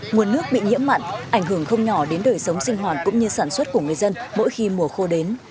nguồn nước bị nhiễm mặn ảnh hưởng không nhỏ đến đời sống sinh hoạt cũng như sản xuất của người dân mỗi khi mùa khô đến